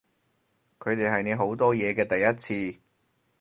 佢哋係你好多嘢嘅第一次